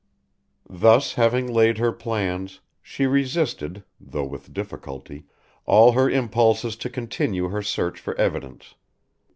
Thus having laid her plans, she resisted, though with difficulty, all her impulses to continue her search for evidence.